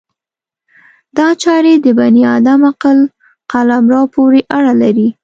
دا چارې د بني ادم عقل قلمرو پورې اړه لري.